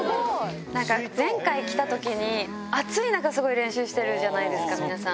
なんか、前回来たときに、暑い中、すごい練習してるじゃないですか、皆さん。